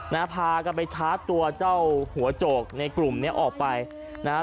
นะฮะพากันไปชาร์จตัวเจ้าหัวโจกในกลุ่มเนี้ยออกไปนะฮะ